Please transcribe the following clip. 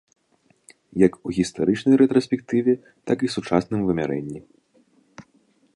Як у гістарычнай рэтраспектыве, так і сучасным вымярэнні.